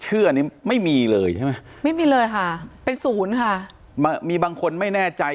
ชื่ออันนี้ไม่มีเลยใช่ไหมไม่มีเลยค่ะเป็นศูนย์ค่ะมีบางคนไม่แน่ใจ